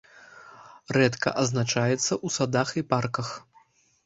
Рэдка адзначаецца ў садах і парках.